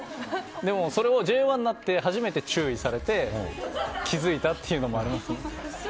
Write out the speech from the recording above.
でも、それをＪＯ１になって初めて注意されて気づいたというのもありますね。